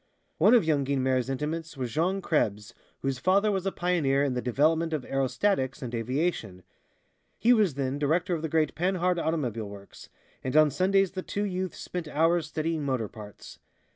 One of young Guynemer's intimates was Jean Krebs, whose father was a pioneer in the development of aerostatics and aviation. He was then director of the great Panhard automobile works, and on Sundays the two youths spent hours studying motor parts.